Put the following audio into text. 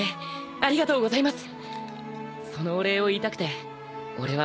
ありがとうございます！